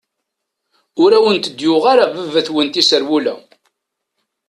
Ur awent-d-yuɣ ara baba-tkent iserwula.